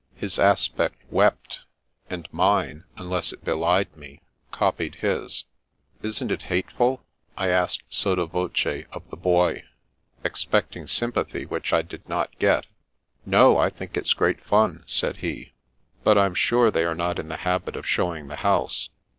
His aspect wept, and mine (unless it belied me) copied his. " Isn't it hateful ?*' I asked, sotto voce, of the Boy, expecting sympathy which I did not get. " No, I think it's great fun," said he. " But I'm sure they are not in the habit of show ing the house.